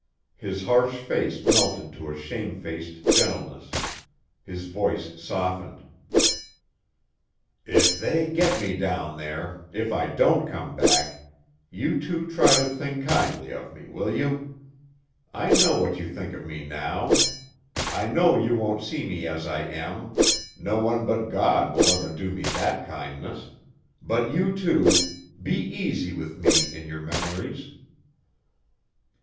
His harsh face melted to a shamefaced gentleness; his voice softened. "If they get me down there, if I don't come back, you two try to think kindly of me, will you? I know what you think of me now. I know you won't see me as I am no one but God will ever do me that kindness; but you two be easy with me in your memories."